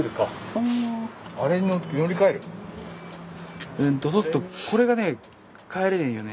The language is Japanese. うんとそうするとこれがね帰れないよね。